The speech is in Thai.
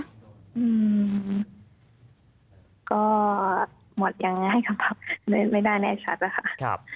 อืมก็หมดยังไงครับไม่ได้แน่ชัดแล้วค่ะ